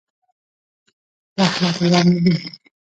رحمت الله مبین